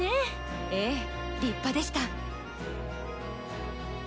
ええ立派でした。